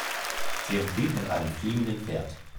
Sie entflieht mit einem fliegenden Pferd.